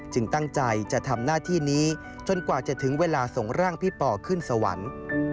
ตั้งใจจะทำหน้าที่นี้จนกว่าจะถึงเวลาส่งร่างพี่ปอขึ้นสวรรค์